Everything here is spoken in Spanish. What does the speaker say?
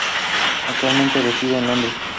Actualmente reside en Londres.